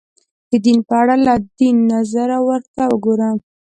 د دین په اړه له دین نظره ورته وګورو